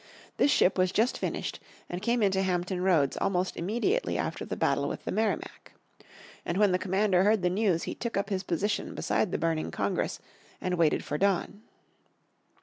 This ship was just finished, and came into Hampton Roads almost immediately after the battle with the Merrimac. And when the Commander heard the news he took up his position beside the burning Congress, and waited for dawn.